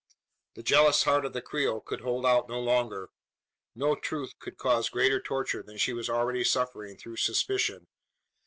The jealous heart of the Creole could hold out no longer. No truth could cause greater torture than she was already suffering through suspicion.